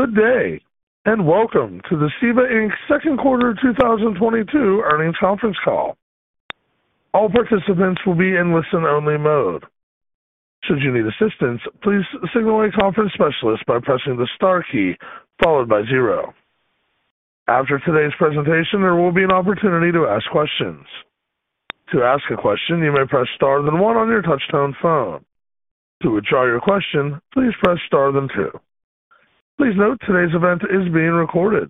Good day, and welcome to the CEVA, Inc. second quarter 2022 earnings conference call. All participants will be in listen-only mode. Should you need assistance, please signal a conference specialist by pressing the star key followed by zero. After today's presentation, there will be an opportunity to ask questions. To ask a question, you may press star then one on your touchtone phone. To withdraw your question, please press star then two. Please note today's event is being recorded.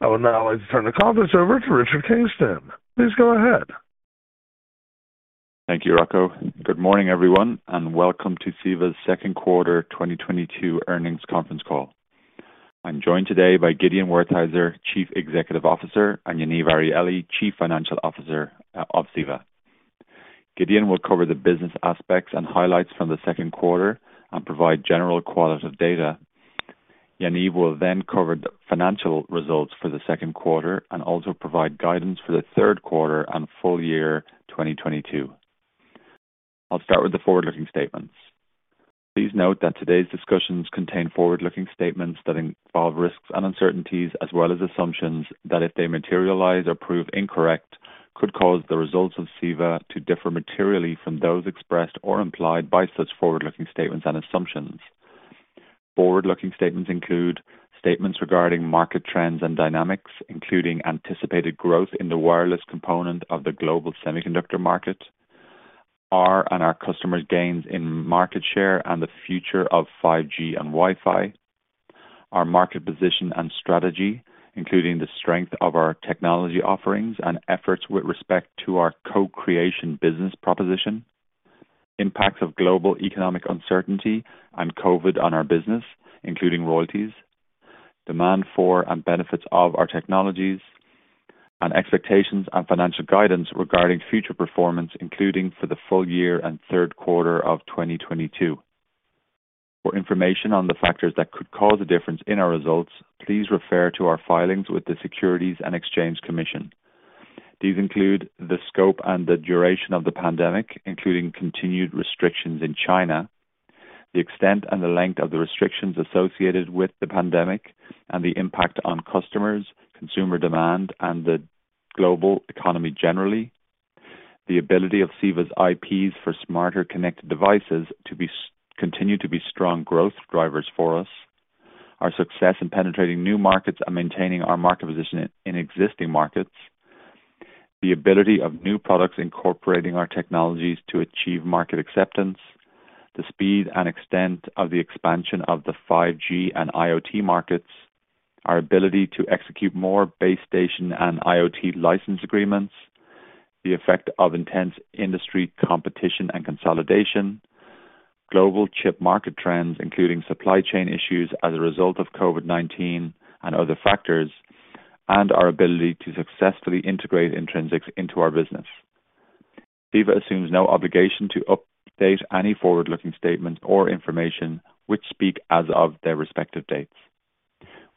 I would now like to turn the conference over to Richard Kingston. Please go ahead. Thank you, Rocco. Good morning, everyone, and welcome to CEVA's second quarter 2022 earnings conference call. I'm joined today by Gideon Wertheizer, Chief Executive Officer, and Yaniv Arieli, Chief Financial Officer of CEVA. Gideon will cover the business aspects and highlights from the second quarter and provide general qualitative data. Yaniv will then cover the financial results for the second quarter and also provide guidance for the third quarter and full year 2022. I'll start with the forward-looking statements. Please note that today's discussions contain forward-looking statements that involve risks and uncertainties as well as assumptions that if they materialize or prove incorrect, could cause the results of CEVA to differ materially from those expressed or implied by such forward-looking statements and assumptions. Forward-looking statements include statements regarding market trends and dynamics, including anticipated growth in the wireless component of the global semiconductor market, our and our customers' gains in market share, and the future of 5G and Wi-Fi, our market position and strategy, including the strength of our technology offerings and efforts with respect to our co-creation business proposition, impacts of global economic uncertainty and COVID on our business, including royalties, demand for and benefits of our technologies, and expectations and financial guidance regarding future performance, including for the full year and third quarter of 2022. For information on the factors that could cause a difference in our results, please refer to our filings with the Securities and Exchange Commission. These include the scope and the duration of the pandemic, including continued restrictions in China, the extent and the length of the restrictions associated with the pandemic and the impact on customers, consumer demand, and the global economy generally, the ability of CEVA's IPs for smarter connected devices to continue to be strong growth drivers for us, our success in penetrating new markets and maintaining our market position in existing markets, the ability of new products incorporating our technologies to achieve market acceptance, the speed and extent of the expansion of the 5G and IoT markets, our ability to execute more base station and IoT license agreements, the effect of intense industry competition and consolidation, global chip market trends, including supply chain issues as a result of COVID-19 and other factors, and our ability to successfully integrate Intrinsix into our business. CEVA assumes no obligation to update any forward-looking statements or information which speak as of their respective dates.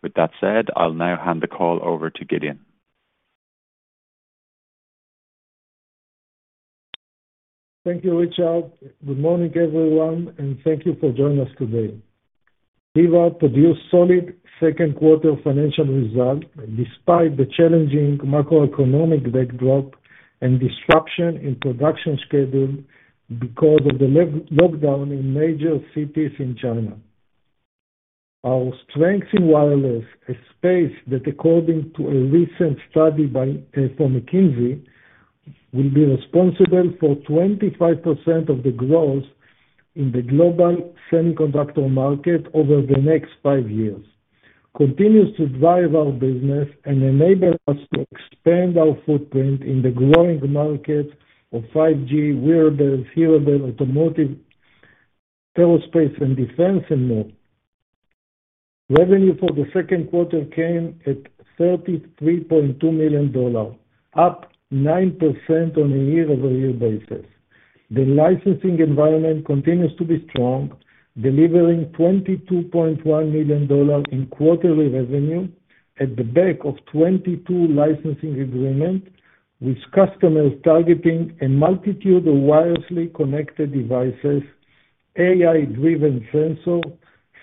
With that said, I'll now hand the call over to Gideon. Thank you, Richard. Good morning, everyone, and thank you for joining us today. CEVA produced solid second quarter financial results despite the challenging macroeconomic backdrop and disruption in production schedule because of the lockdown in major cities in China. Our strength in wireless, a space that according to a recent study by McKinsey, will be responsible for 25% of the growth in the global semiconductor market over the next 5 years, continues to drive our business and enable us to expand our footprint in the growing market of 5G, wearable, hearable, automotive, aerospace and defense and more. Revenue for the second quarter came at $33.2 million, up 9% on a year-over-year basis. The licensing environment continues to be strong, delivering $22.1 million in quarterly revenue on the back of 22 licensing agreements with customers targeting a multitude of wirelessly connected devices, AI-driven sensors,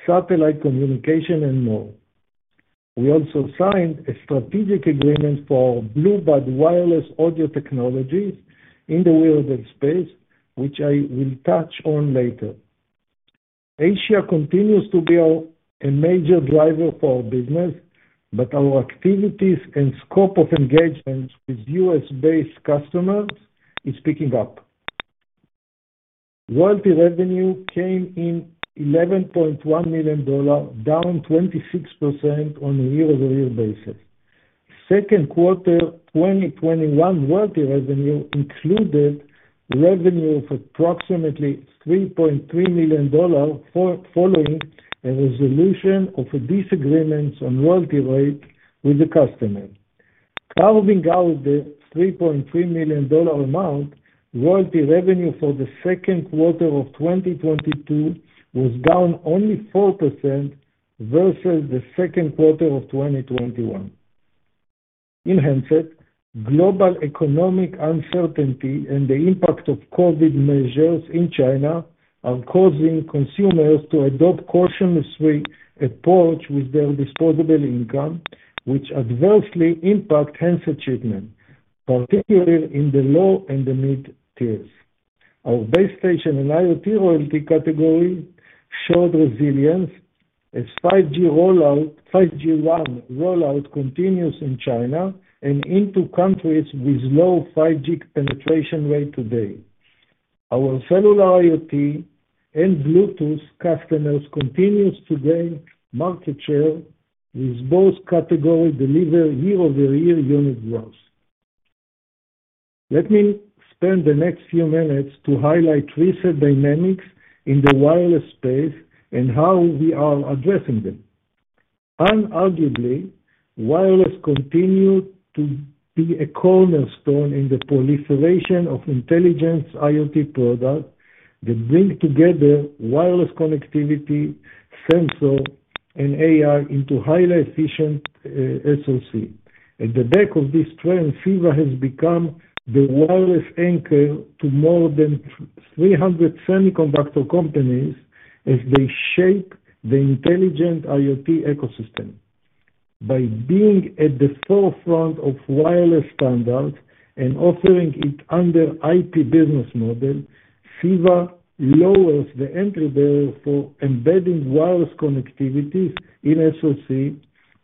satellite communication and more. We also signed a strategic agreement for Bluebud wireless audio technologies in the wearable space, which I will touch on later. Asia continues to be a major driver for our business, but our activities and scope of engagement with US-based customers is picking up. Royalty revenue came in $11.1 million, down 26% on a year-over-year basis. Second quarter 2021 royalty revenue included revenue of approximately $3.3 million following a resolution of a disagreement on royalty rate with the customer. Carving out the $3.3 million amount, royalty revenue for the second quarter of 2022 was down only 4% versus the second quarter of 2021. In handset, global economic uncertainty and the impact of COVID measures in China are causing consumers to adopt cautionary approach with their disposable income, which adversely impact handset shipment, particularly in the low and the mid-tiers. Our base station and IoT royalty category showed resilience as 5G rollout continues in China and into countries with low 5G penetration rate today. Our cellular IoT and Bluetooth customers continues to gain market share, with both categories deliver year-over-year unit growth. Let me spend the next few minutes to highlight recent dynamics in the wireless space and how we are addressing them. Unarguably, wireless continues to be a cornerstone in the proliferation of intelligent IoT products that bring together wireless connectivity, sensor and AI into highly efficient SoC. At the back of this trend, CEVA has become the wireless anchor to more than 300 semiconductor companies as they shape the intelligent IoT ecosystem. By being at the forefront of wireless standards and offering it under IP business model, CEVA lowers the entry barrier for embedding wireless connectivity in SoC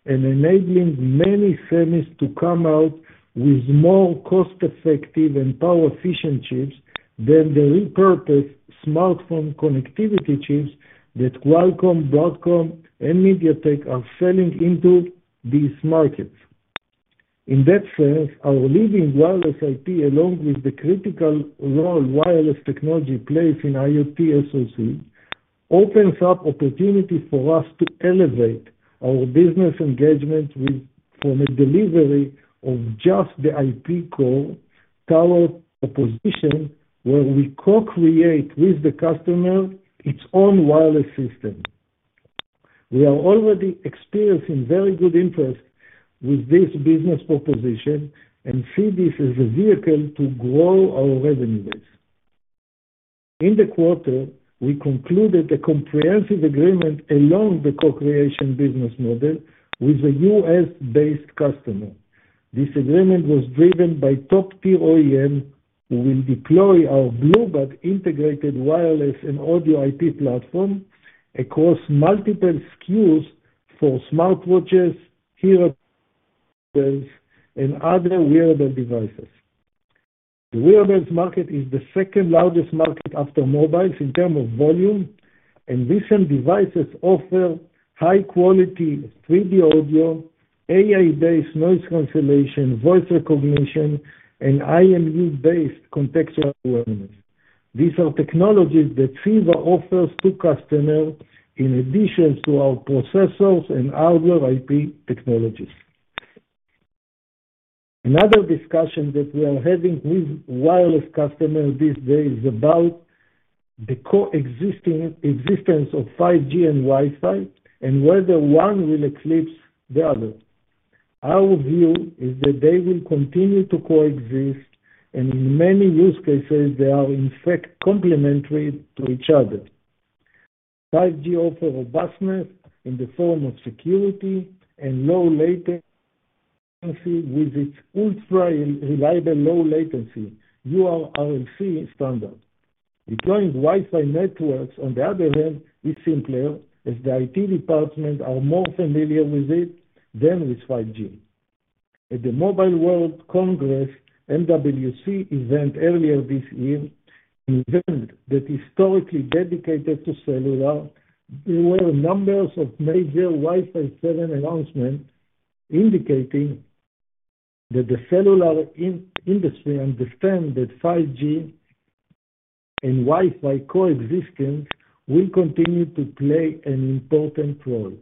and enabling many semis to come out with more cost-effective and power-efficient chips than the repurposed smartphone connectivity chips that Qualcomm, Broadcom and MediaTek are selling into these markets. In that sense, our leading wireless IP, along with the critical role wireless technology plays in IoT SoC, opens up opportunity for us to elevate our business engagement with, from a delivery of just the IP core tower, a position where we co-create with the customer its own wireless system. We are already experiencing very good interest with this business proposition and see this as a vehicle to grow our revenue base. In the quarter, we concluded a comprehensive agreement along the co-creation business model with a U.S.-based customer. This agreement was driven by top-tier OEM who will deploy our Bluebud integrated wireless and audio IP platform across multiple SKUs for smartwatches, hearables and other wearable devices. The wearables market is the second largest market after mobiles in terms of volume. Recent devices offer high quality 3D audio, AI-based noise cancellation, voice recognition and IMU-based contextual awareness. These are technologies that CEVA offers to customers in addition to our processors and audio IP technologies. Another discussion that we are having with wireless customers today is about the co-existence of 5G and Wi-Fi, and whether one will eclipse the other. Our view is that they will continue to coexist, and in many use cases, they are in fact complementary to each other. 5G offers robustness in the form of security and low latency with its ultra-reliable low-latency URLLC standard. Deploying Wi-Fi networks, on the other hand, is simpler as the IT department is more familiar with it than with 5G. At the Mobile World Congress, MWC event earlier this year, an event that historically dedicated to cellular, there were a number of major Wi-Fi 7 announcements indicating that the cellular industry understands that 5G and Wi-Fi coexistence will continue to play an important role.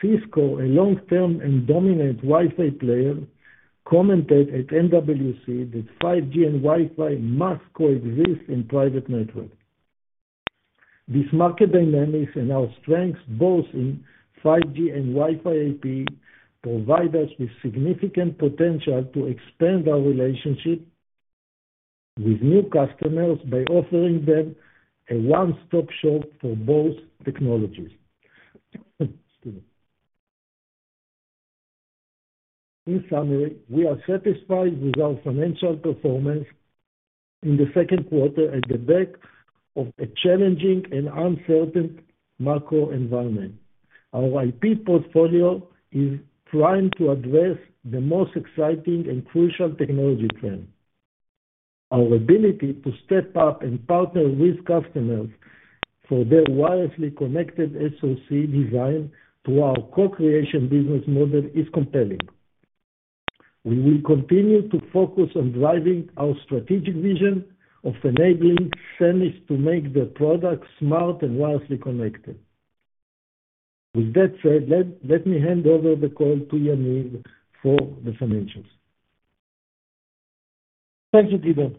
Cisco, a long-term and dominant Wi-Fi player, commented at MWC that 5G and Wi-Fi must coexist in private networks. These market dynamics and our strengths both in 5G and Wi-Fi IP provide us with significant potential to expand our relationship with new customers by offering them a one-stop shop for both technologies. Excuse me. In summary, we are satisfied with our financial performance in the second quarter against the backdrop of a challenging and uncertain macro environment. Our IP portfolio is trying to address the most exciting and crucial technology trend. Our ability to step up and partner with customers for their wirelessly connected SoC design through our co-creation business model is compelling. We will continue to focus on driving our strategic vision of enabling semis to make their products smart and wirelessly connected. With that said, let me hand over the call to Yaniv for the financials. Thank you, Gideon.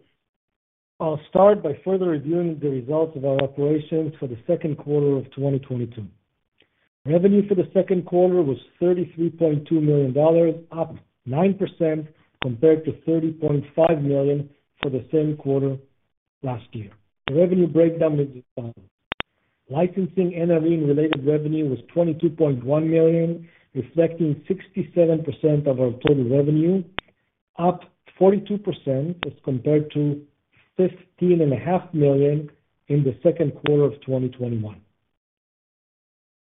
I'll start by further reviewing the results of our operations for the second quarter of 2022. Revenue for the second quarter was $33.2 million, up 9% compared to $30.5 million for the same quarter last year. The revenue breakdown is as follows. Licensing and NRE related revenue was $22.1 million, reflecting 67% of our total revenue, up 42% as compared to $15.5 million in the second quarter of 2021.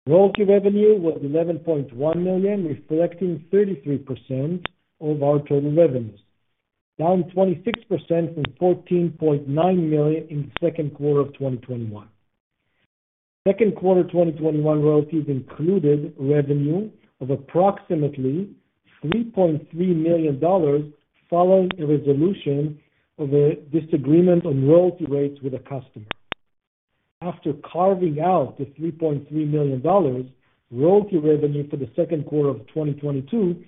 Royalty revenue was $11.1 million, reflecting 33% of our total revenues, down 26% from $14.9 million in the second quarter of 2021. Second quarter 2021 royalties included revenue of approximately $3.3 million following a resolution of a disagreement on royalty rates with a customer. After carving out the $3.3 million, royalty revenue for the second quarter of 2022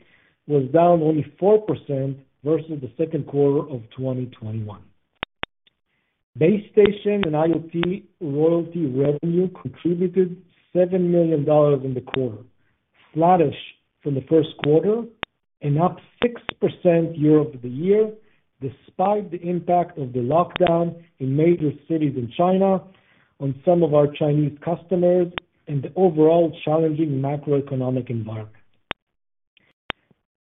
was down only 4% versus the second quarter of 2021. Base station and IoT royalty revenue contributed $7 million in the quarter, flattish from the first quarter and up 6% year-over-year, despite the impact of the lockdown in major cities in China on some of our Chinese customers and the overall challenging macroeconomic environment.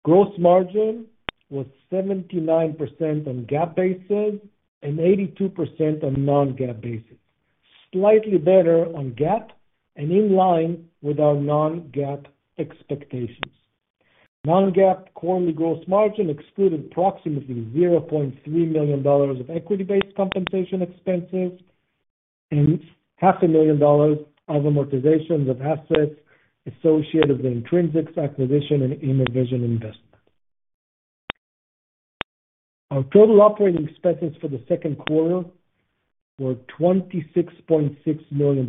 Gross margin was 79% on GAAP basis and 82% on non-GAAP basis, slightly better on GAAP and in line with our non-GAAP expectations. Non-GAAP quarterly gross margin excluded approximately $0.3 million of equity-based compensation expenses and half a million dollars of amortizations of assets associated with Intrinsix acquisition and innovation investment. Our total operating expenses for the second quarter were $26.6 million,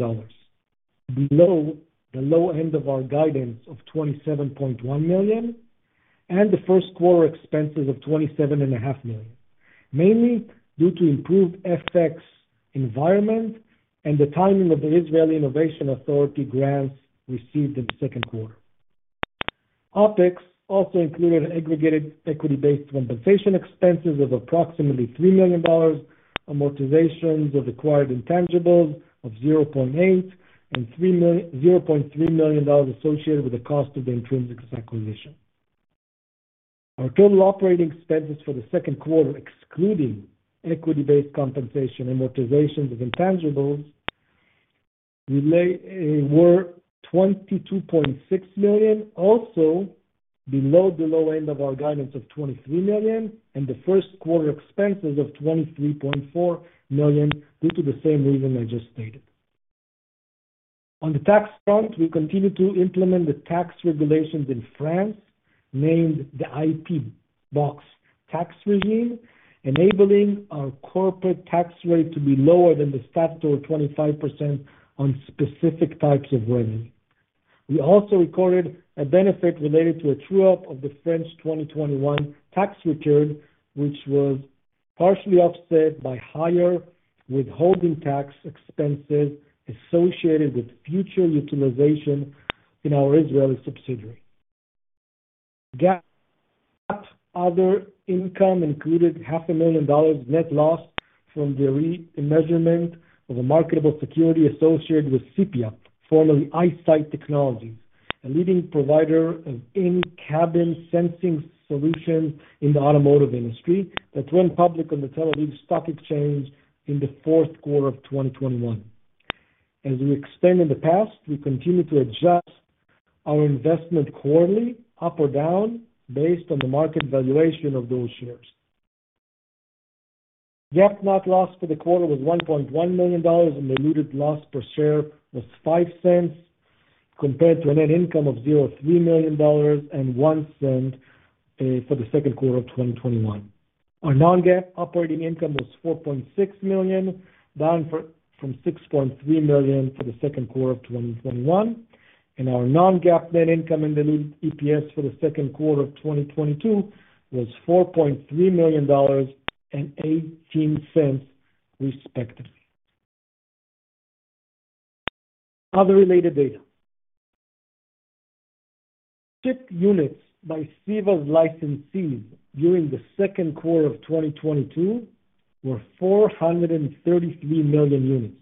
below the low end of our guidance of $27.1 million and the first quarter expenses of $27.5 million, mainly due to improved FX environment and the timing of the Israel Innovation Authority grants received in the second quarter. OpEx also included aggregated equity-based compensation expenses of approximately $3 million, amortizations of acquired intangibles of $0.3 million associated with the cost of the Intrinsix acquisition. Our total operating expenses for the second quarter, excluding equity-based compensation, amortizations of intangibles, were $22.6 million, also below the low end of our guidance of $23 million and the first quarter expenses of $23.4 million, due to the same reason I just stated. On the tax front, we continue to implement the tax regulations in France, named the IP Box tax regime, enabling our corporate tax rate to be lower than the statutory 25% on specific types of revenue. We also recorded a benefit related to a true-up of the French 2021 tax return, which was partially offset by higher withholding tax expenses associated with future utilization in our Israeli subsidiary. GAAP other income included half a million dollars net loss from the remeasurement of a marketable security associated with Cipia, formerly Eyesight Technologies, a leading provider of in-cabin sensing solution in the automotive industry that went public on the Tel Aviv Stock Exchange in the fourth quarter of 2021. As we explained in the past, we continue to adjust our investment quarterly up or down based on the market valuation of those shares. GAAP net loss for the quarter was $1.1 million and diluted loss per share was $0.05 compared to a net income of $0.3 million and $0.01 for the second quarter of 2021. Our non-GAAP operating income was $4.6 million, down from $6.3 million for the second quarter of 2021, and our non-GAAP net income and diluted EPS for the second quarter of 2022 was $4.3 million and $0.18, respectively. Other related data. Shipped units by CEVA's licensees during the second quarter of 2022 were 433 million units,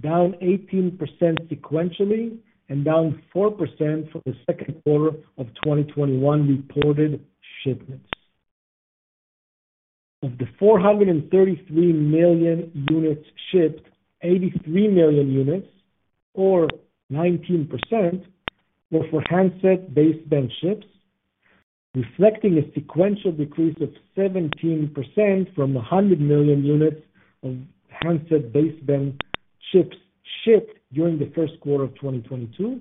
down 18% sequentially and down 4% for the second quarter of 2021 reported shipments. Of the 433 million units shipped, 83 million units or 19% were for handset baseband shipments, reflecting a sequential decrease of 17% from 100 million units of handset baseband shipments shipped during the first quarter of 2022,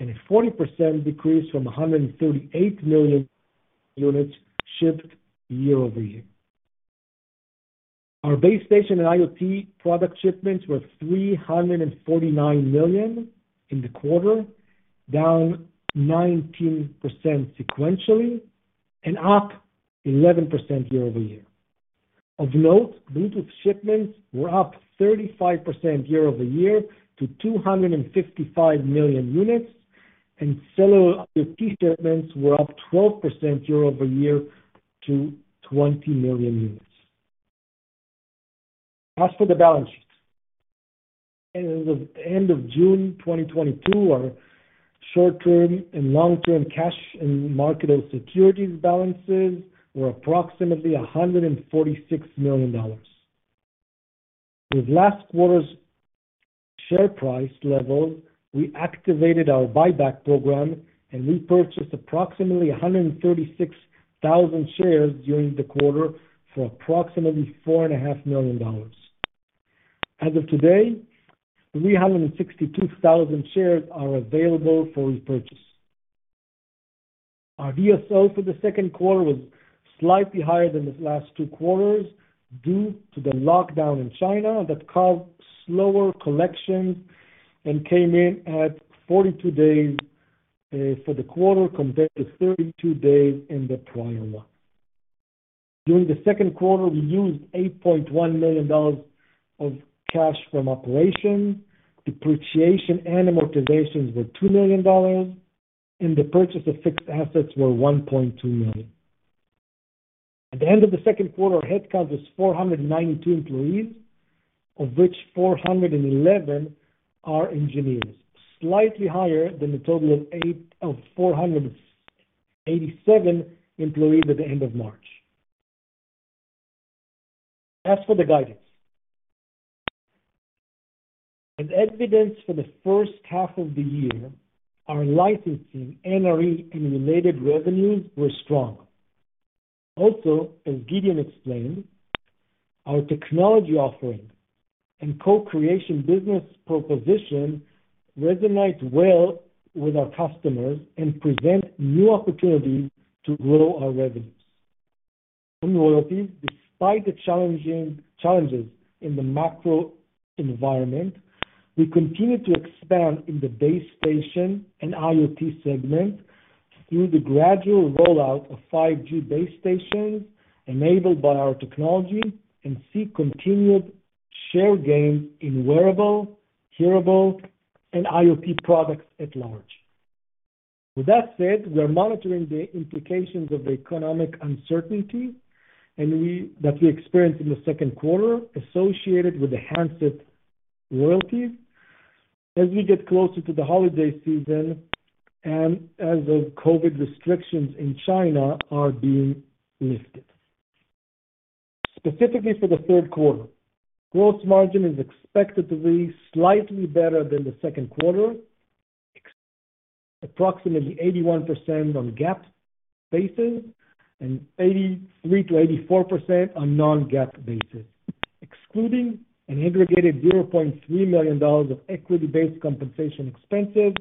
and a 40% decrease from 138 million units shipped year-over-year. Our base station and IoT product shipments were 349 million in the quarter, down 19% sequentially and up 11% year-over-year. Of note, Bluetooth shipments were up 35% year-over-year to 255 million units, and cellular IoT shipments were up 12% year-over-year to 20 million units. As for the balance sheet, as of the end of June 2022, our short-term and long-term cash and marketable securities balances were approximately $146 million. With last quarter's share price levels, we activated our buyback program and repurchased approximately 136,000 shares during the quarter for approximately $4 and a half million. As of today, 362,000 shares are available for repurchase. Our DSO for the second quarter was slightly higher than the last two quarters due to the lockdown in China that caused slower collections and came in at 42 days for the quarter compared to 32 days in the prior one. During the second quarter, we used $8.1 million of cash from operations. Depreciation and amortizations were $2 million, and the purchase of fixed assets were $1.2 million. At the end of the second quarter, our headcount was 492 employees, of which 411 are engineers. Slightly higher than the total of 487 employees at the end of March. As for the guidance. As evidenced for the first half of the year, our licensing, NRE, and related revenues were strong. Also, as Gideon explained, our technology offering and co-creation business proposition resonate well with our customers and present new opportunities to grow our revenues. In royalties, despite the challenges in the macro environment, we continue to expand in the base station and IoT segment through the gradual rollout of 5G base stations enabled by our technology and see continued share gains in wearable, hearable, and IoT products at large. With that said, we are monitoring the implications of the economic uncertainty, and that we experienced in the second quarter associated with the handset royalties as we get closer to the holiday season and as the COVID restrictions in China are being lifted. Specifically for the third quarter, gross margin is expected to be slightly better than the second quarter, at approximately 81% on GAAP basis and 83%-84% on non-GAAP basis, excluding an aggregated $0.3 million of equity-based compensation expenses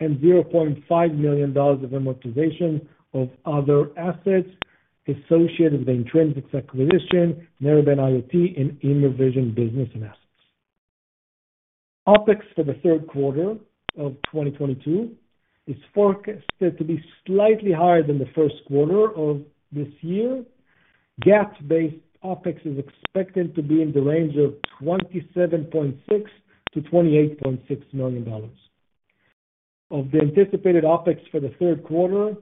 and $0.5 million of amortization of other assets associated with the Intrinsix acquisition, NB-IoT and Immervision business and assets. OpEx for the third quarter of 2022 is forecasted to be slightly higher than the first quarter of this year. GAAP-based OpEx is expected to be in the range of $27.6 million-$28.6 million. Of the anticipated OpEx for the third quarter,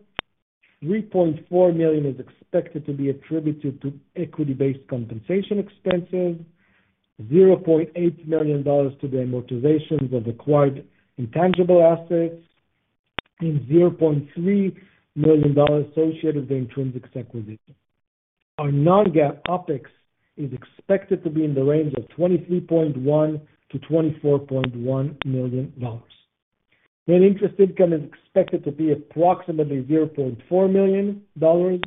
$3.4 million is expected to be attributed to equity-based compensation expenses, $0.1 million to the amortizations of acquired intangible assets, and $0.3 million associated with the Intrinsix acquisition. Our non-GAAP OpEx is expected to be in the range of $23.1-$24.1 million. Net interest income is expected to be approximately $0.4 million, and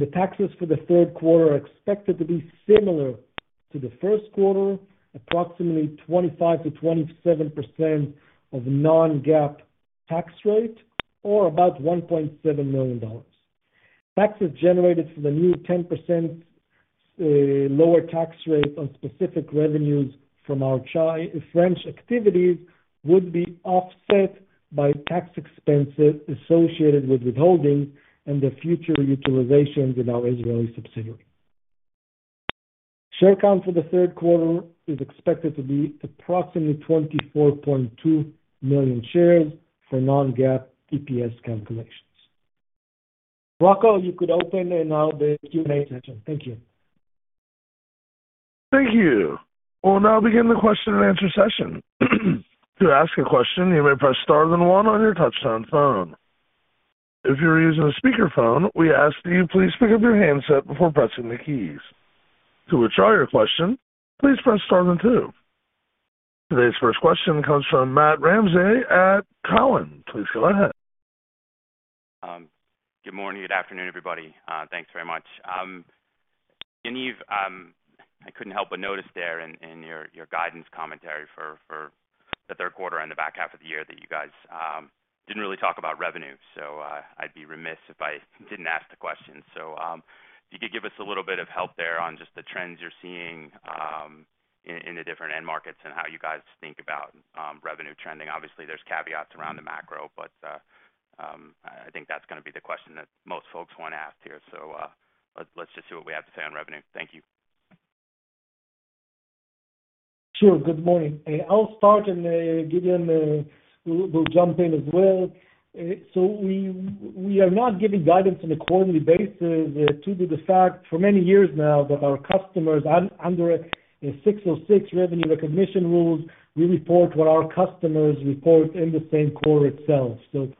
the taxes for the third quarter are expected to be similar to the first quarter, approximately 25%-27% non-GAAP tax rate or about $1.7 million. Taxes generated from the new 10% lower tax rate on specific revenues from our French activities would be offset by tax expenses associated with withholding and the future utilizations in our Israeli subsidiary. Share count for the third quarter is expected to be approximately 24.2 million shares for non-GAAP EPS calculations. Rocco, you can now open the Q&A session. Thank you. Thank you. We'll now begin the question-and-answer session. To ask a question, you may press star then one on your touchtone phone. If you're using a speakerphone, we ask that you please pick up your handset before pressing the keys. To withdraw your question, please press star then two. Today's first question comes from Matt Ramsay at Cowen. Please go ahead. Good morning. Good afternoon, everybody. Thanks very much. Yaniv, I couldn't help but notice there in your guidance commentary for the third quarter and the back half of the year that you guys didn't really talk about revenue. I'd be remiss if I didn't ask the question. If you could give us a little bit of help there on just the trends you're seeing in the different end markets and how you guys think about revenue trending. Obviously, there's caveats around the macro, but I think that's gonna be the question that most folks wanna ask here. Let's just see what we have to say on revenue. Thank you. Sure. Good morning. I'll start, and Gideon will jump in as well. We are not giving guidance on a quarterly basis. True to the fact for many years now that our customers under 606 revenue recognition rules, we report what our customers report in the same quarter itself. You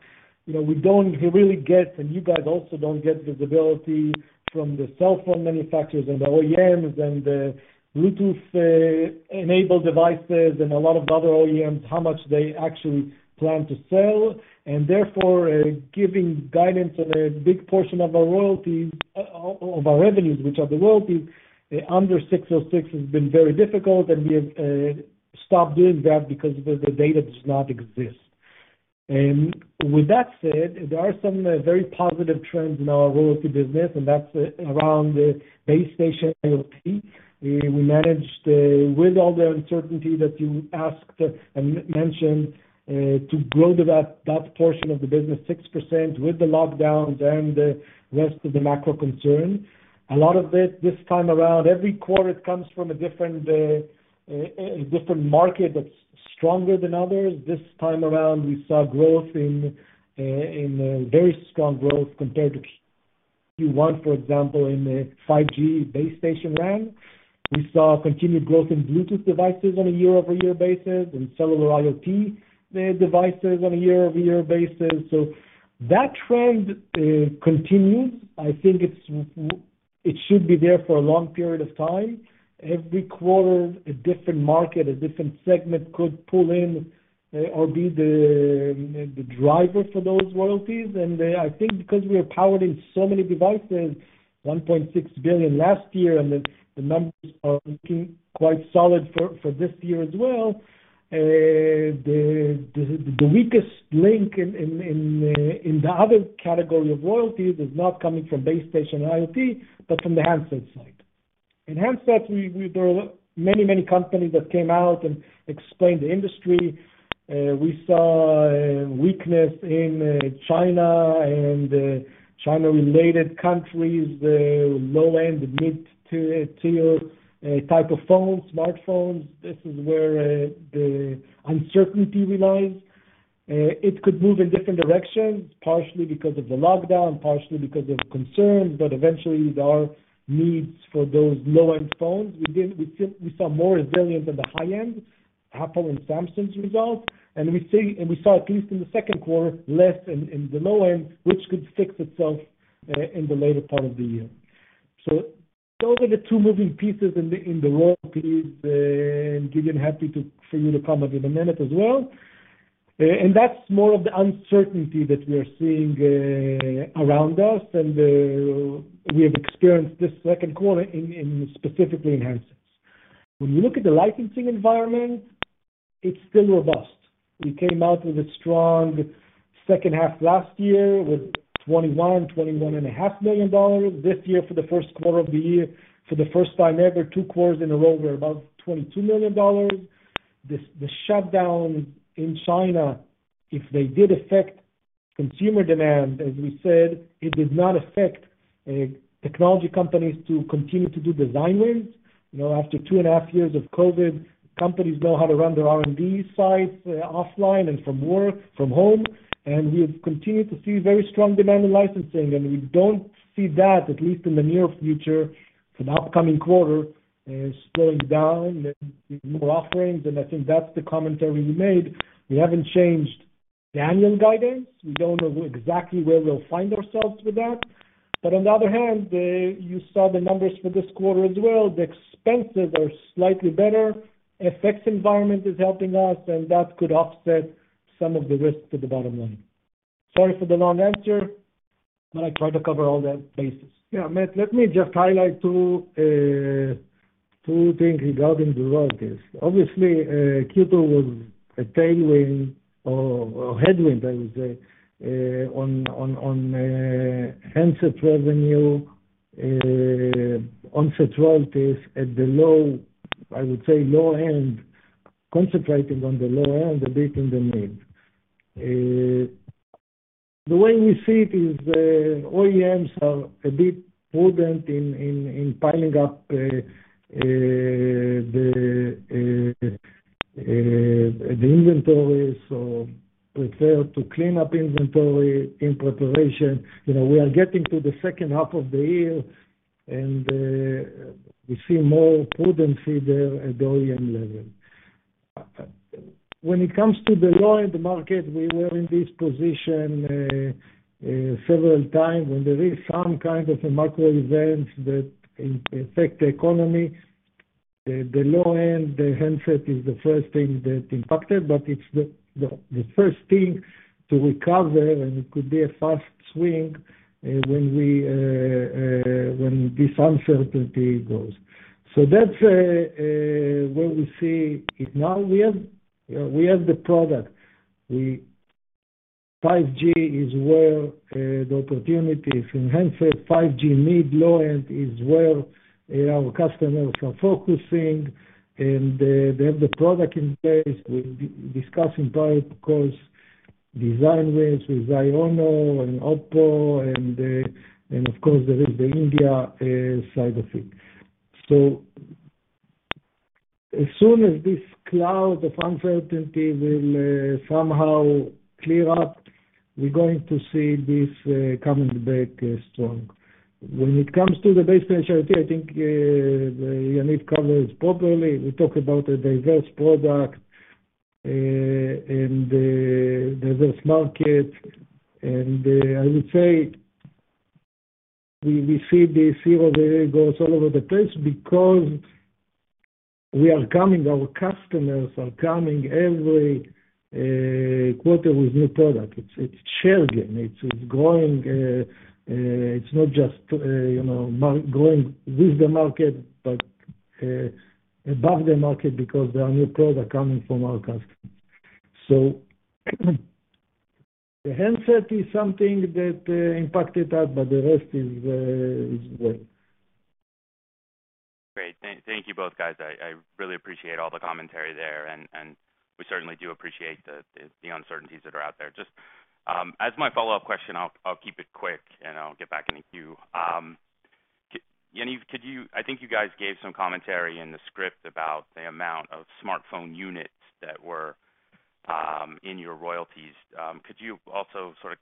know, we don't really get, and you guys also don't get visibility from the cell phone manufacturers and the OEMs and the Bluetooth-enabled devices and a lot of the other OEMs, how much they actually plan to sell, and therefore, giving guidance on a big portion of our royalties, of our revenues, which are the royalties, under 606 has been very difficult. We have stopped doing that because the data does not exist. With that said, there are some very positive trends in our royalty business, and that's around the base station IoT. We managed with all the uncertainty that you asked and mentioned to grow that portion of the business 6% with the lockdowns and the rest of the macro concern. A lot of it this time around, every quarter it comes from a different market that's stronger than others. This time around, we saw growth in very strong growth compared to Q1, for example, in the 5G base station RAN. We saw continued growth in Bluetooth devices on a year-over-year basis and cellular IoT devices on a year-over-year basis. That trend continues. I think it should be there for a long period of time. Every quarter, a different market, a different segment could pull in or be the driver for those royalties. I think because we are powered in so many devices, 1.6 billion last year, and the numbers are looking quite solid for this year as well, the weakest link in the other category of royalties is not coming from base station IoT, but from the handset side. In handsets, there are many companies that came out and explained the industry. We saw a weakness in China and China-related countries, low-end to mid-tier type of phones, smartphones. This is where the uncertainty relies. It could move in different directions, partially because of the lockdown, partially because of concerns. Eventually, there are needs for those low-end phones. We saw more resilience on the high end, Apple and Samsung's results. We saw, at least in the second quarter, less in the low end, which could fix itself in the later part of the year. Those are the two moving pieces in the royalties. Gideon, happy for you to comment in a minute as well. That's more of the uncertainty that we are seeing around us. We have experienced this second quarter specifically in handsets. When you look at the licensing environment, it's still robust. We came out with a strong second half last year with $21.5 million. This year for the first quarter of the year, for the first time ever, two quarters in a row, we're above $22 million. The shutdown in China, if they did affect consumer demand, as we said, it did not affect technology companies to continue to do design wins. You know, after two and a half years of COVID, companies know how to run their R&D sites offline and from work, from home. We have continued to see very strong demand in licensing, and we don't see that, at least in the near future, for the upcoming quarter slowing down with new offerings. I think that's the commentary we made. We haven't changed the annual guidance. We don't know exactly where we'll find ourselves with that. But on the other hand, you saw the numbers for this quarter as well. The expenses are slightly better. FX environment is helping us, and that could offset some of the risk to the bottom line. Sorry for the long answer, but I tried to cover all the basis. Yeah. Matt, let me just highlight two things regarding the royalties. Obviously, COVID was a tailwind or headwind, I would say, on handset revenue, handset royalties at the low end, I would say low end, concentrating on the low end a bit in the mid. The way we see it is, OEMs are a bit prudent in piling up the inventory. Prefer to clean up inventory in preparation. You know, we are getting to the second half of the year, and we see more prudence there at the OEM level. When it comes to the low-end market, we were in this position several times. When there is some kind of a macro event that affect the economy, the low end, the handset is the first thing that impacted, but it's the first thing to recover, and it could be a fast swing, when this uncertainty goes. That's where we see it now. We have the product. 5G is where the opportunity is enhanced. 5G mid-low end is where our customers are focusing and they have the product in place. We're discussing price, of course, design wins with Xiaomi and OPPO and of course there is the India side of things. As soon as this cloud of uncertainty will somehow clear up, we're going to see this coming back strong. When it comes to the base station, I think Yaniv covers properly. We talk about a diverse product and the diverse market. I would say we see the CEVA goes all over the place because our customers are coming every quarter with new product. It's shared gain. It's growing. It's not just, you know, growing with the market, but above the market because there are new products coming from our customers. The handset is something that impacted us, but the rest is well. Great. Thank you both guys. I really appreciate all the commentary there, and we certainly do appreciate the uncertainties that are out there. Just as my follow-up question, I'll keep it quick and I'll get back in the queue. Yaniv, I think you guys gave some commentary in the script about the amount of smartphone units that were in your royalties. Could you also sort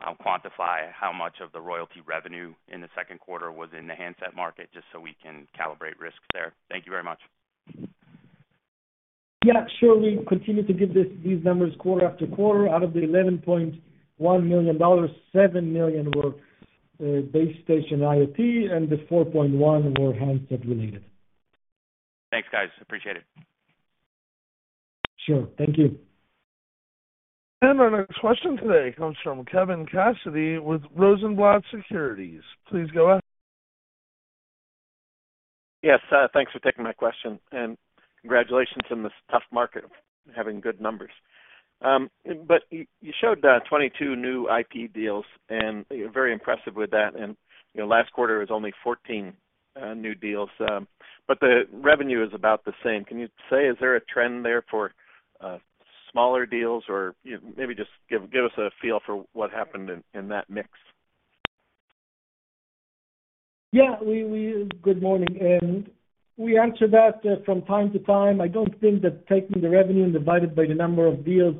of quantify how much of the royalty revenue in the second quarter was in the handset market, just so we can calibrate risks there? Thank you very much. Yeah, sure. We continue to give this, these numbers quarter after quarter. Out of the $11.1 million, $7 million were base station IoT, and the $4.1 million were handset related. Thanks, guys. Appreciate it. Sure. Thank you. Our next question today comes from Kevin Cassidy with Rosenblatt Securities. Please go ahead. Yes, thanks for taking my question, and congratulations in this tough market of having good numbers. But you showed 22 new IP deals, and you're very impressive with that. You know, last quarter was only 14 new deals, but the revenue is about the same. Can you say, is there a trend there for smaller deals? Or, you know, maybe just give us a feel for what happened in that mix. Good morning. We answer that from time to time. I don't think that taking the revenue and divide it by the number of deals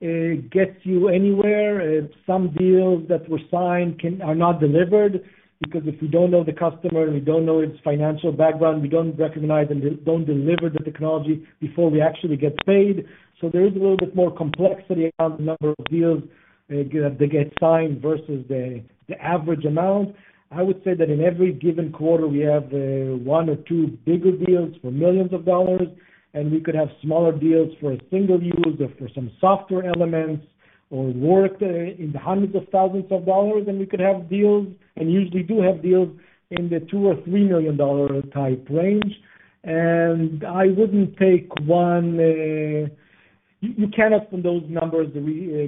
gets you anywhere. Some deals that were signed are not delivered, because if we don't know the customer and we don't know its financial background, we don't recognize and don't deliver the technology before we actually get paid. There is a little bit more complexity around the number of deals they get signed versus the average amount. I would say that in every given quarter, we have one or two bigger deals for millions of dollars, and we could have smaller deals for a single use or for some software elements or work in the hundreds of thousands of dollars, and we could have deals, and usually do have deals in the $2-$3 million-dollar type range. I wouldn't take one. You cannot, from those numbers,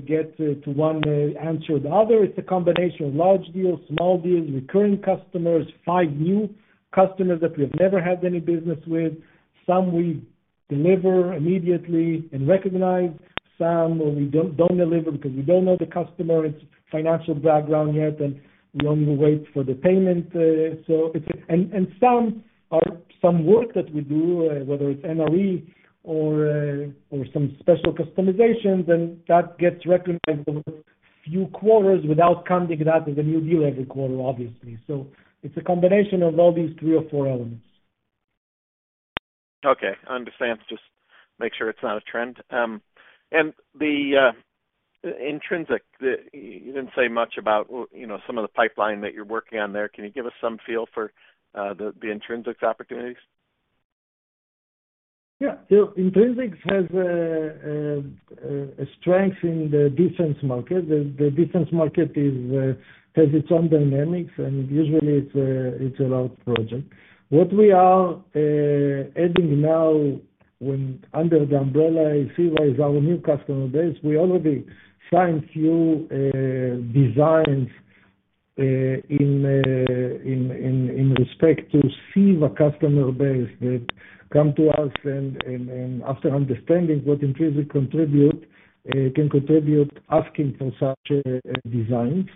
get to one answer or the other. It's a combination of large deals, small deals, recurring customers, 5 new customers that we have never had any business with. Some we deliver immediately and recognize. Some we don't deliver because we don't know the customer, its financial background yet, and we only wait for the payment, so it's a. Some work that we do, whether it's NRE or some special customizations, and that gets recognized over a few quarters without counting that as a new deal every quarter, obviously. It's a combination of all these three or four elements. Okay. Understand. Just make sure it's not a trend. The Intrinsix. You didn't say much about, you know, some of the pipeline that you're working on there. Can you give us some feel for the Intrinsix's opportunities? Yeah. Intrinsix has a strength in the defense market. The defense market has its own dynamics, and usually it's a large project. What we are adding now under the umbrella is CEVA is our new customer base. We already signed few designs in respect to CEVA customer base that come to us and after understanding what Intrinsix can contribute, asking for such designs.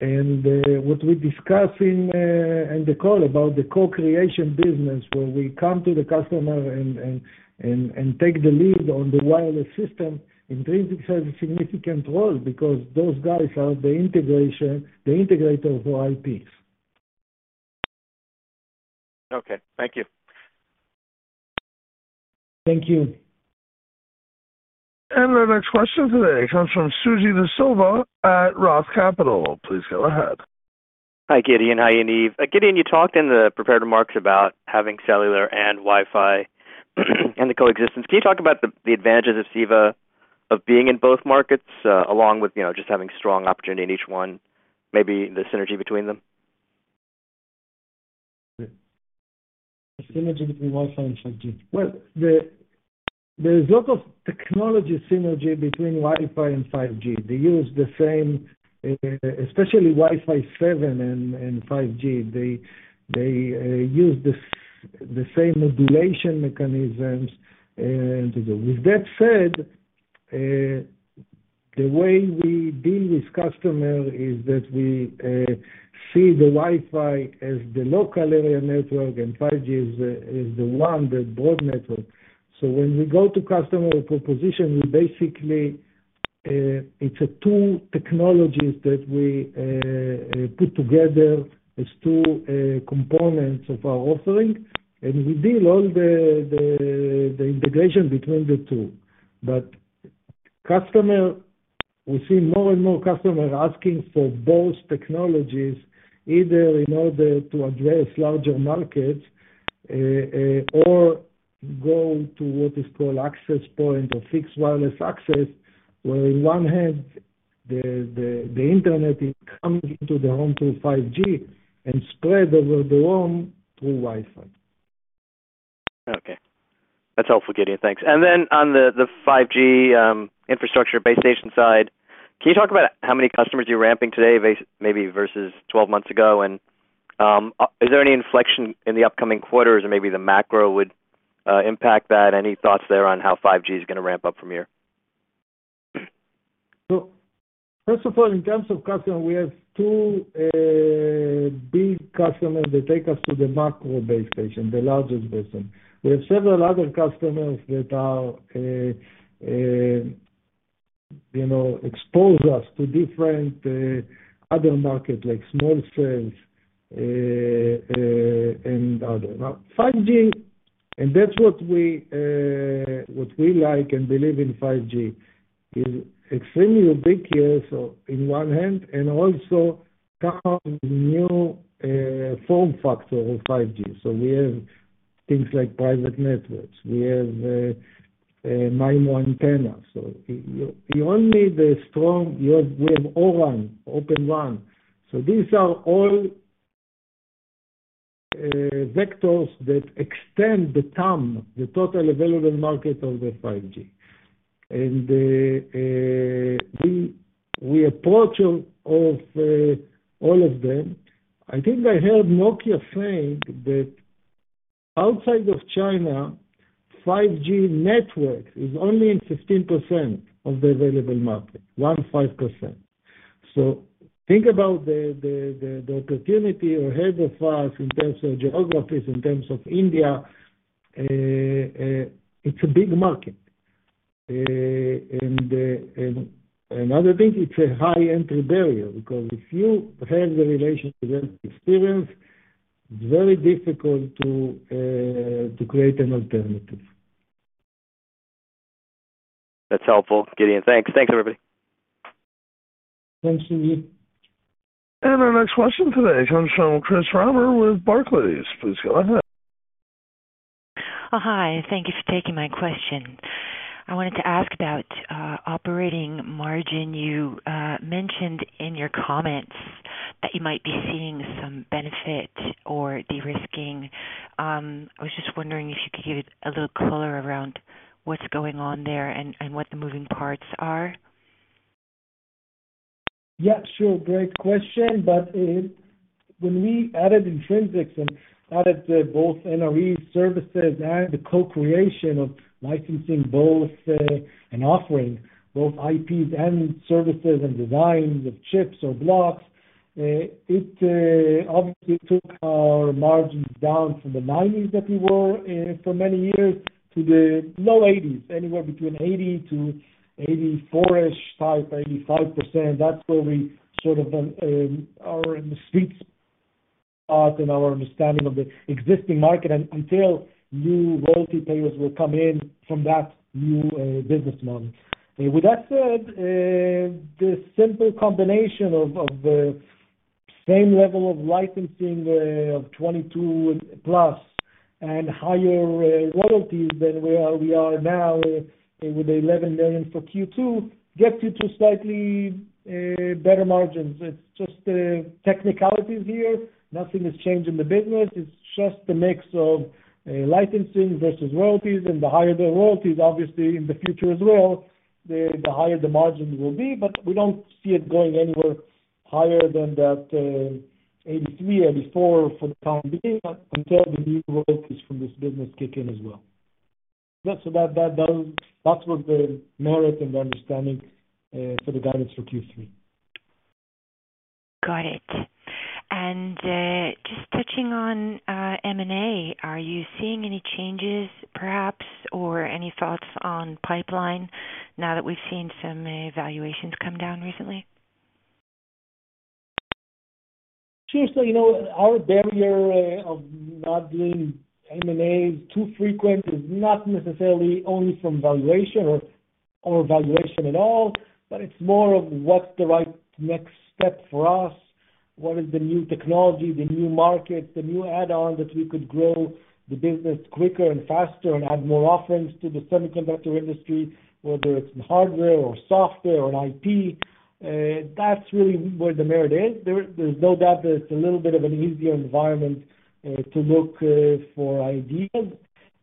What we're discussing in the call about the co-creation business, where we come to the customer and take the lead on the wireless system, Intrinsix has a significant role because those guys are the integrator of IPs. Okay. Thank you. Thank you. Our next question today comes from Suji DeSilva at ROTH Capital. Please go ahead. Hi, Gideon. Hi, Yaniv. Gideon, you talked in the prepared remarks about having cellular and Wi-Fi and the coexistence. Can you talk about the advantages of CEVA of being in both markets, along with, you know, just having strong opportunity in each one, maybe the synergy between them? The synergy between Wi-Fi and 5G. Well, there's a lot of technology synergy between Wi-Fi and 5G. They use the same, especially Wi-Fi 7 and 5G, they use the same modulation mechanisms to go. With that said, the way we deal with customer is that we see the Wi-Fi as the local area network, and 5G is the WAN, the broad network. When we go to customer proposition, we basically, it's two technologies that we put together. It's two components of our offering, and we deal all the integration between the two. Customer, we see more and more customers asking for both technologies, either in order to address larger markets, or go to what is called access point or fixed wireless access, where on one hand the internet is coming into their home through 5G and spread over the LAN through Wi-Fi. Okay. That's helpful, Gideon. Thanks. On the 5G infrastructure base station side, can you talk about how many customers you're ramping today basically versus 12 months ago? Is there any inflection in the upcoming quarters or maybe the macro would impact that? Any thoughts there on how 5G is gonna ramp up from here? First of all, in terms of customer, we have two big customers that take us to the macro base station, the largest base station. We have several other customers that you know expose us to different other markets like small cells and other. Now, 5G, and that's what we like and believe in 5G is extremely ubiquitous so on one hand and also come with new form factor of 5G. We have things like private networks. We have MIMO antennas. Only the strong survive. We have O-RAN, Open RAN. These are all vectors that extend the TAM, the total available market of 5G. We approach all of them. I think I heard Nokia saying that outside of China, 5G network is only in 15% of the available market, 15%. Think about the opportunity ahead of us in terms of geographies, in terms of India, it's a big market. And another thing, it's a high entry barrier because if you have the relationship with experience, it's very difficult to create an alternative. That's helpful, Gideon. Thanks. Thanks, everybody. Thanks to you. Our next question today comes from Chris Reimer with Barclays. Please go ahead. Oh, hi. Thank you for taking my question. I wanted to ask about operating margin. You mentioned in your comments that you might be seeing some benefit or de-risking. I was just wondering if you could give a little color around what's going on there and what the moving parts are. Yeah, sure. Great question. When we added Intrinsix and added both NRE services and the co-creation of licensing both, and offering both IPs and services and designs of chips or blocks, it obviously took our margins down from the 90s that we were for many years to the low 80s, anywhere between 80 to 84-ish type, 85%. That's where we sort of are in the sweet spot in our understanding of the existing market until new royalty payers will come in from that new business model. With that said, the simple combination of the same level of licensing of 22+ and higher royalties than where we are now with the $11 million for Q2 gets you to slightly better margins. It's just technicalities here. Nothing has changed in the business. It's just the mix of licensing versus royalties. The higher the royalties, obviously, in the future as well, the higher the margins will be, but we don't see it going anywhere higher than that 83%-84% for the time being, until the new royalties from this business kick in as well. That's what the margin and the understanding for the guidance for Q3. Got it. Just touching on M&A, are you seeing any changes perhaps or any thoughts on pipeline now that we've seen some valuations come down recently? Seriously, you know, our barrier of not doing M&A too frequent is not necessarily only from valuation or valuation at all, but it's more of what's the right next step for us. What is the new technology, the new market, the new add-on that we could grow the business quicker and faster and add more offerings to the semiconductor industry, whether it's in hardware or software or IP. That's really where the merit is. There's no doubt that it's a little bit of an easier environment to look for ideas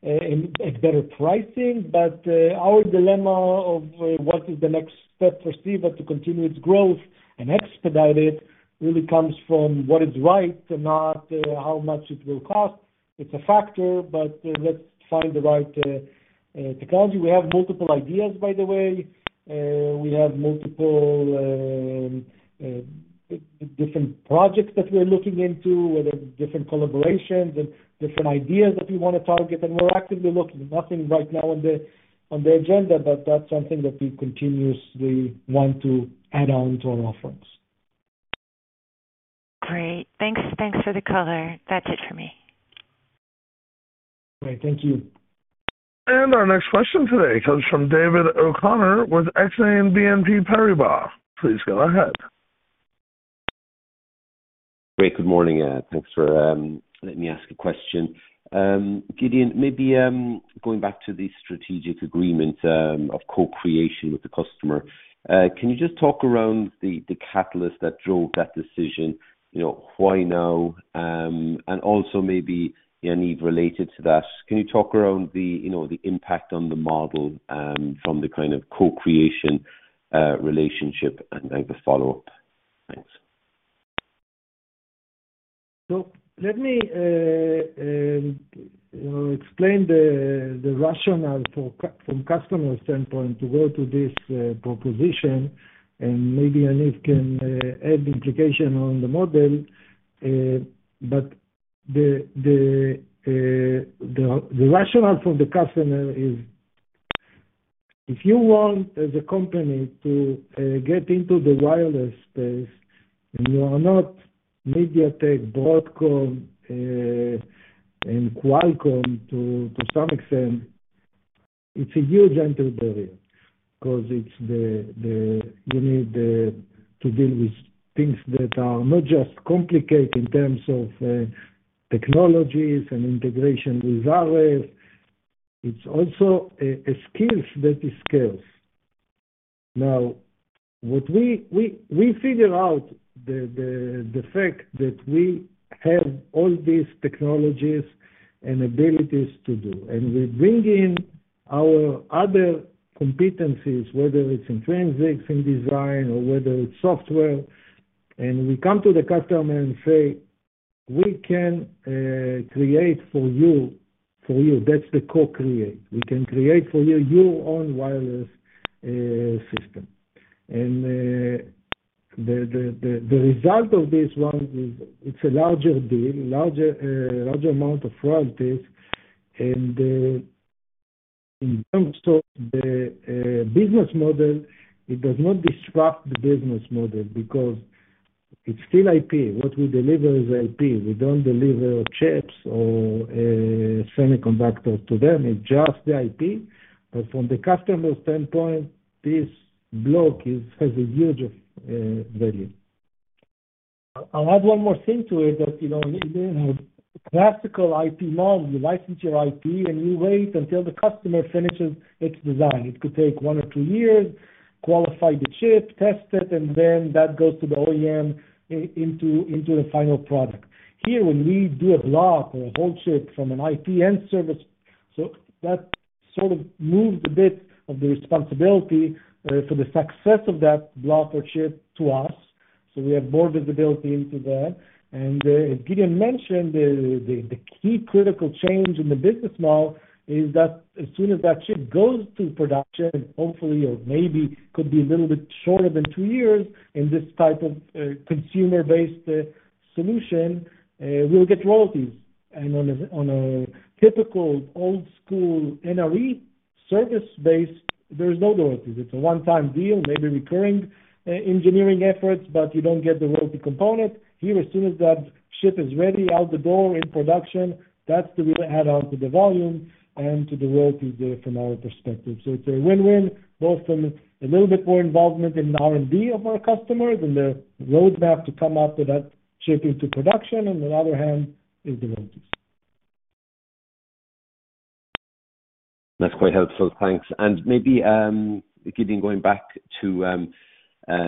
and better pricing. But our dilemma of what is the next step for CEVA to continue its growth and expedite it, really comes from what is right, not how much it will cost. It's a factor, but let's find the right technology. We have multiple ideas, by the way. We have multiple different projects that we're looking into with different collaborations and different ideas that we wanna target, and we're actively looking. Nothing right now on the agenda, but that's something that we continuously want to add on to our offerings. Great. Thanks. Thanks for the color. That's it for me. Okay. Thank you. Our next question today comes from David O'Connor with Exane BNP Paribas. Please go ahead. Great. Good morning. Thanks for letting me ask a question. Gideon, maybe going back to the strategic agreement of co-creation with the customer, can you just talk around the catalyst that drove that decision? You know, why now? Also maybe, Yaniv, related to that, can you talk around the impact on the model from the kind of co-creation relationship? I have a follow-up. Thanks. Let me, you know, explain the rationale from customer standpoint to go to this proposition, and maybe Yaniv can add implication on the model. The rationale from the customer is, if you want, as a company, to get into the wireless space, and you are not MediaTek, Broadcom, and Qualcomm to some extent, it's a huge entry barrier 'cause it's the. You need to deal with things that are not just complicated in terms of technologies and integration with RF, it's also a skills that is scarce. Now, what we figure out the fact that we have all these technologies and abilities to do, and we bring in our other competencies, whether it's in Intrinsix, in design or whether it's software, and we come to the customer and say, "We can create for you." For you, that's the co-create. We can create for you, your own wireless system. The result of this one is it's a larger deal, larger amount of royalties. In terms of the business model, it does not disrupt the business model because it's still IP. What we deliver is IP. We don't deliver chips or semiconductors to them. It's just the IP. But from the customer's standpoint, this block has a huge value. I'll add one more thing to it that, you know, in a classical IP model, you license your IP, and you wait until the customer finishes its design. It could take one or two years, qualify the chip, test it, and then that goes to the OEM into the final product. Here, when we do a block or a whole chip from an IP and service, so that sort of moves a bit of the responsibility for the success of that block or chip to us, so we have more visibility into that. As Gideon mentioned, the key critical change in the business model is that as soon as that chip goes to production, hopefully or maybe could be a little bit shorter than two years in this type of consumer-based solution, we'll get royalties. On a typical old school NRE service-based, there's no royalties. It's a one-time deal, maybe recurring engineering efforts, but you don't get the royalty component. Here, as soon as that chip is ready out the door in production, that's the real add on to the volume and to the royalties from our perspective. It's a win-win, both from a little bit more involvement in R&D of our customers and the roadmap to come after that chip into production. On the other hand is the royalties. That's quite helpful. Thanks. Maybe Gideon, going back to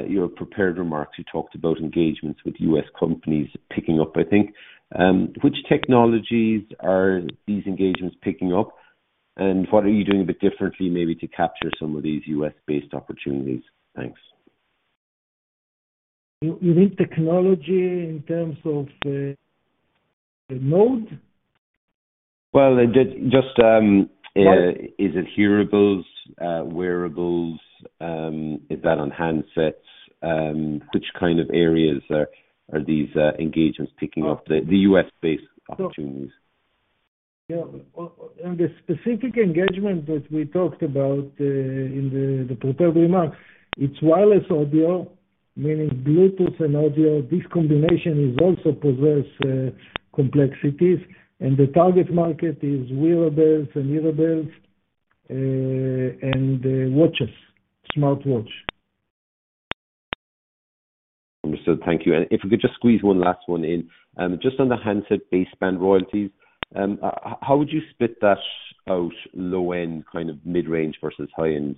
your prepared remarks. You talked about engagements with U.S. companies picking up, I think. Which technologies are these engagements picking up? What are you doing a bit differently maybe to capture some of these U.S.-based opportunities? Thanks. You mean technology in terms of the mode? Well, just is it hearables, wearables? Which kind of areas are these engagements picking up the U.S.-based opportunities? Yeah. On the specific engagement that we talked about in the prepared remarks, it's wireless audio, meaning Bluetooth and audio. This combination also possesses complexities, and the target market is wearables and hearables and watches, smartwatch. Understood. Thank you. If we could just squeeze one last one in. Just on the handset baseband royalties, how would you split that out low-end, kind of mid-range versus high-end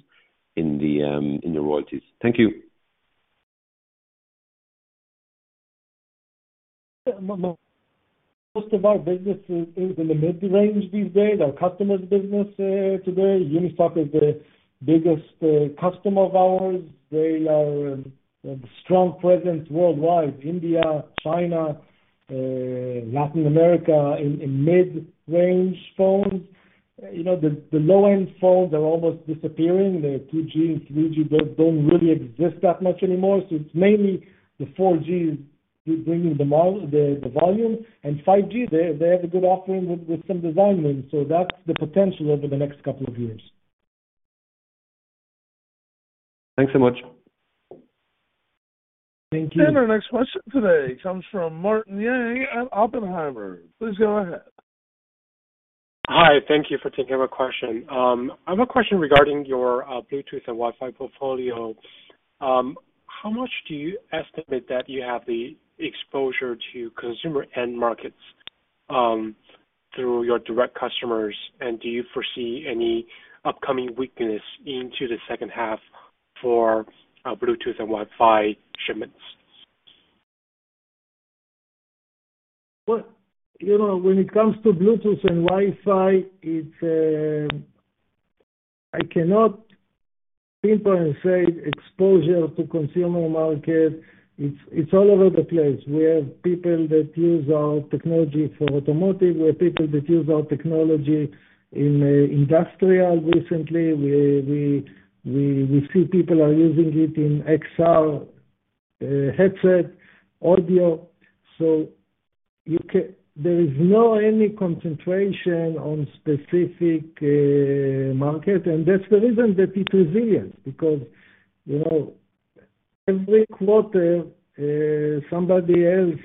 in the royalties? Thank you. Most of our business is in the mid-range these days. Our customers' business today, UNISOC is the biggest customer of ours. They are a strong presence worldwide, India, China, Latin America, in mid-range phones. You know, the low-end phones are almost disappearing. The 2G and 3G both don't really exist that much anymore. It's mainly the 4G is bringing the volume, and 5G, they have a good offering with some design wins. That's the potential over the next couple of years. Thanks so much. Thank you. Our next question today comes from Martin Yang at Oppenheimer. Please go ahead. Hi. Thank you for taking my question. I have a question regarding your Bluetooth and Wi-Fi portfolio. How much do you estimate that you have the exposure to consumer end markets, through your direct customers, and do you foresee any upcoming weakness into the second half for Bluetooth and Wi-Fi shipments? Well, you know, when it comes to Bluetooth and Wi-Fi, it's. I cannot pinpoint and say exposure to consumer market. It's all over the place. We have people that use our technology for automotive. We have people that use our technology in industrial. Recently, we see people are using it in XR headset audio. There is no any concentration on specific market, and that's the reason that it's resilient because, you know, every quarter, somebody else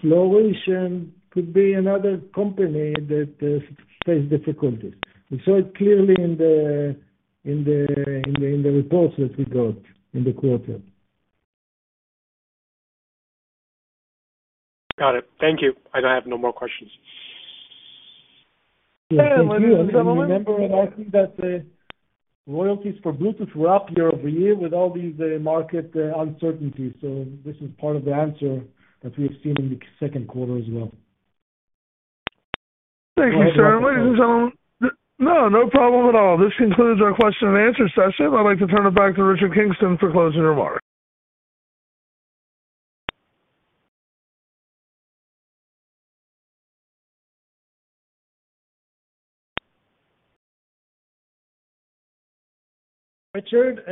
flourish and could be another company that face difficulties. We saw it clearly in the reports that we got in the quarter. Got it. Thank you. I don't have no more questions. Ladies and gentlemen. I think that the royalties for Bluetooth were up year over year with all these market uncertainties. This is part of the answer that we have seen in the second quarter as well. Thank you, sir. Ladies and gentlemen. No, no problem at all. This concludes our question and answer session. I'd like to turn it back to Richard Kingston for closing remarks. Richard,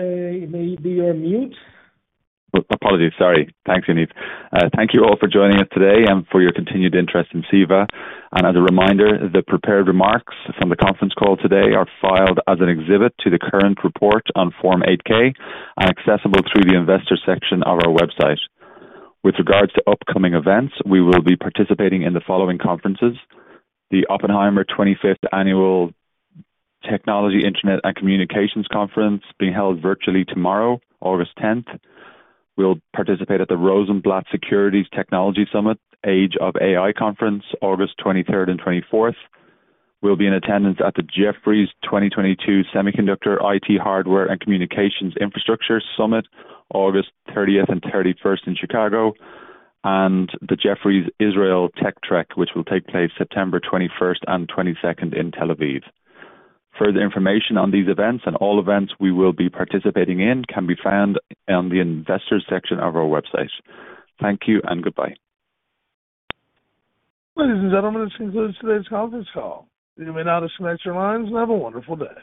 you may be on mute. Apologies. Sorry. Thanks, Yaniv. Thank you all for joining us today and for your continued interest in CEVA. As a reminder, the prepared remarks from the conference call today are filed as an exhibit to the current report on Form 8-K and accessible through the investor section of our website. With regards to upcoming events, we will be participating in the following conferences. The Oppenheimer 25th Annual Technology, Internet, and Communications Conference being held virtually tomorrow, August 10th. We'll participate at the Rosenblatt Securities The Age of AI Scaling Technology Summit August 23rd and 24th. We'll be in attendance at the Jefferies 2022 Semiconductor, IT Hardware, and Communications Infrastructure Summit August 30th and 31st in Chicago, and the Jefferies Israel Tech Trek, which will take place September 21st and 22nd in Tel Aviv. Further information on these events and all events we will be participating in can be found on the investor section of our website. Thank you and goodbye. Ladies and gentlemen, this concludes today's conference call. You may now disconnect your lines and have a wonderful day.